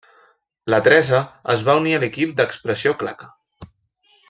La Teresa es va unir a l’Equip d’Expressió Claca.